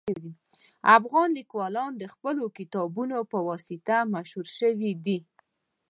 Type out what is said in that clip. افغان لیکوالان د خپلو کتابونو په واسطه مشهور دي